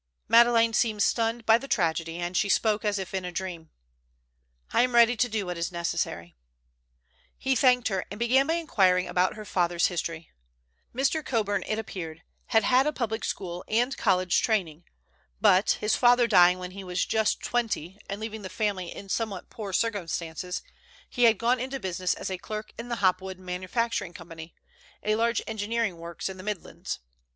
Madeleine seemed stunned by the tragedy, and she spoke as if in a dream. "I am ready to do what is necessary." He thanked her, and began by inquiring about her father's history. Mr. Coburn, it appeared, had had a public school and college training, but, his father dying when he was just twenty, and leaving the family in somewhat poor circumstances, he had gone into business as a clerk in the Hopwood Manufacturing Company, a large engineering works in the Midlands.